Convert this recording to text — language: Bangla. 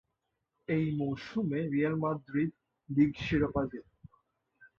এই মৌসুমে রিয়াল মাদ্রিদ লীগ শিরোপা জেতে।